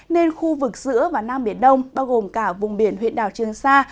nên khu vực giữa và nam biển đông bao gồm cả vùng biển huyện đảo trương sa